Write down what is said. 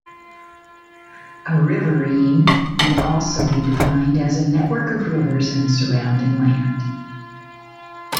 A riverine may also be defined as a network of rivers and surrounding land.